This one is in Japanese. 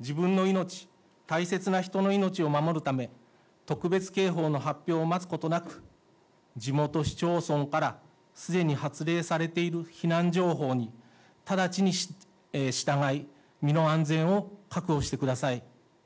自分の命、大切な人の命を守るため、特別警報の発表を待つことなく、地元市町村からすでに発令されている避難情報に直ちに従い、身の安全を確保してください。